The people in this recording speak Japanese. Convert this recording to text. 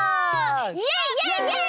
イエイイエイイエイ！